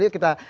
yuk kita lihat